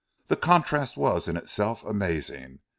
The contrast was in itself amazing.